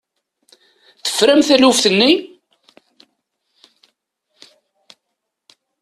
Tefram taluft-nni?